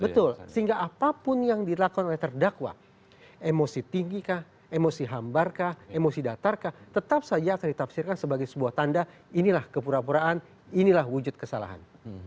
betul sehingga apapun yang dilakukan oleh terdakwa emosi tinggi kah emosi hambar kah emosi datar kah tetap saja akan ditafsirkan sebagai sebuah tanda inilah kepura puraan inilah wujud kesalahan